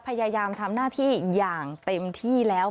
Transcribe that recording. พยายามทำหน้าที่อย่างเต็มที่แล้ว